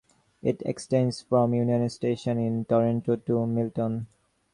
It extends from Union Station in Toronto to Milton.